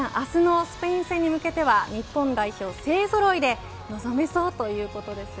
明日のスペイン戦に向けては日本代表勢ぞろいで臨めそうということですよ。